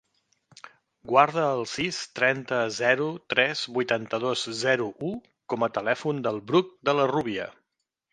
Guarda el sis, trenta, zero, tres, vuitanta-dos, zero, u com a telèfon del Bruc De La Rubia.